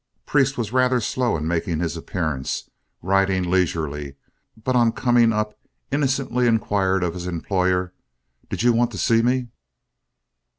Priest was rather slow in making his appearance, riding leisurely, but on coming up innocently inquired of his employer, "Did you want to see me?"